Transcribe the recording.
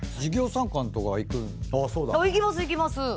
行きます行きます。